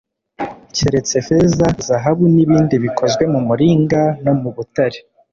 keretse feza, zahabu n'ibindi bikozwe mu muringa no mu butare